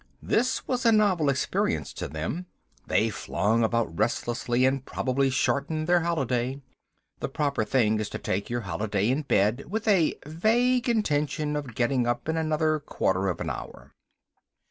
This was a novel experience to them, they flung about restlessly, and probably shortened their holiday. The proper thing is to take your holiday in bed with a vague intention of getting up in another quarter of an hour.